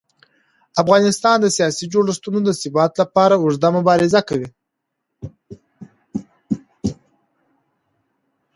افغانستان د سیاسي جوړښتونو د ثبات لپاره اوږده مبارزه کوي